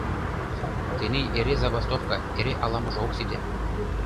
Тений эре забастовка, эре ала-можо ок сите.